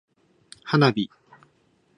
花火